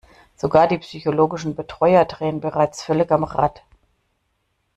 Sogar die psychologischen Betreuer drehen bereits völlig am Rad.